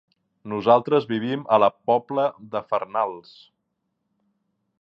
Nosaltres vivim a la Pobla de Farnals.